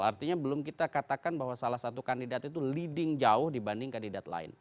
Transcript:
artinya belum kita katakan bahwa salah satu kandidat itu leading jauh dibanding kandidat lain